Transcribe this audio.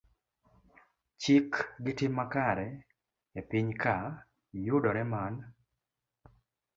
Chik gi tim makare e piny ka, yudore man